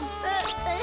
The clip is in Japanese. え？